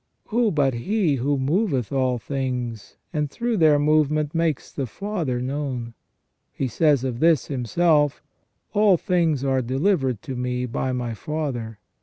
Who but He who moveth all things, and through their movement makes the Father known? He says of this Himself: "All things are delivered to Me by My Father.